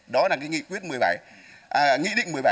đó là cái nghị quyết một mươi bảy nghị định một mươi bảy